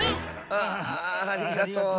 ああありがとう。